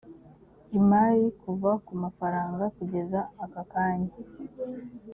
imari kuva ku mafaranga kugeza akakanya